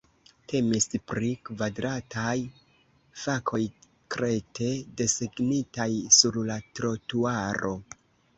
Temis pri kvadrataj fakoj krete desegnitaj sur la trotuaro.